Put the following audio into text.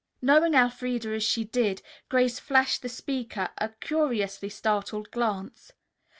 Knowing Elfreda as she did, Grace flashed the speaker a curiously startled glance.